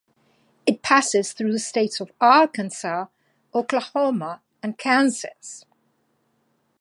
It passes through the states of Arkansas, Oklahoma, and Kansas.